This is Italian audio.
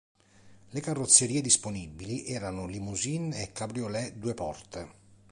Le carrozzerie disponibili erano limousine e cabriolet due porte.